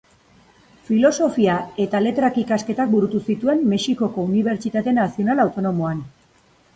Filosofia eta letrak ikasketak burutu zituen Mexikoko Unibertsitate Nazional Autonomoan.